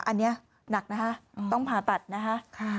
อันนี้หนักนะคะต้องผ่าตัดนะคะ